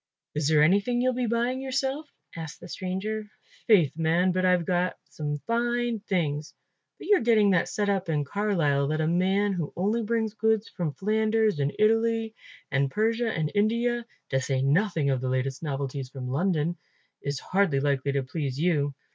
"Is there anything you'll be buying yourself?" asked the stranger. "Faith, man, but I've some fine things, but you're getting that set up in Carlisle that a man who only brings goods from Flanders and Italy and Persia and India, to say nothing of the latest novelties from London, is hardly likely to please you.